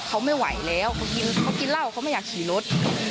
เขาไม่ไหวแล้วเขากินเหล้าเขาไม่อยากขี่รถ